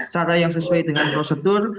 cara yang sesuai dengan prosedur